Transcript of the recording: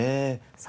さあ